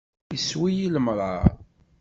Issew-iyi lemṛaṛ.